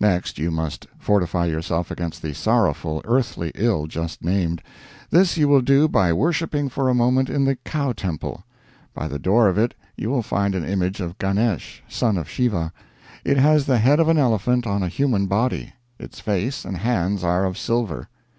Next, you must fortify yourself against the sorrowful earthly ill just named. This you will do by worshiping for a moment in the Cow Temple. By the door of it you will find an image of Ganesh, son of Shiva; it has the head of an elephant on a human body; its face and hands are of silver.